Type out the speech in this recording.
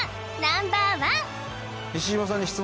ナンバーワン！